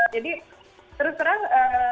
jadi terus terang